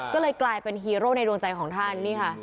ก็เลยกลายเป็นฮีโร่ในดวงใจของท่านนี่ค่ะ